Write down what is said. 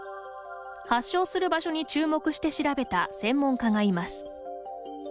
発症する場所に注目して調べた専門家がいます。